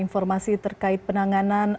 informasi terkait penanganan